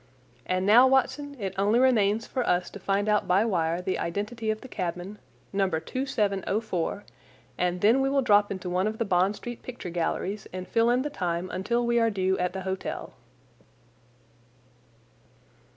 And now, Watson, it only remains for us to find out by wire the identity of the cabman, No. 2704, and then we will drop into one of the Bond Street picture galleries and fill in the time until we are due at the hotel."